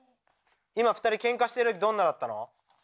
今２人ケンカしてる時どんなだったの？